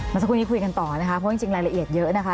มาสักครู่นี้คุยกันต่อนะคะเพราะจริงรายละเอียดเยอะนะคะ